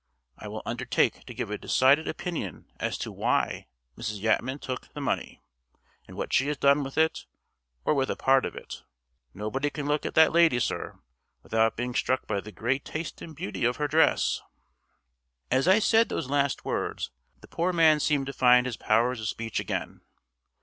I will undertake to give a decided opinion as to why Mrs. Yatman took the money, and what she has done with it, or with a part of it. Nobody can look at that lady, sir, without being struck by the great taste and beauty of her dress " As I said those last words, the poor man seemed to find his powers of speech again.